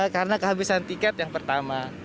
karena kehabisan tiket yang pertama